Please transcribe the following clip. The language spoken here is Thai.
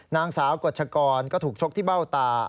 นางสาวกฎชกรก็ถูกชกที่เบ้าตา